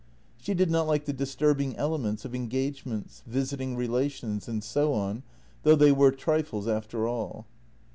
She did not like the disturbing elements of engagements, visiting relations, and so on, though they were trifles after all.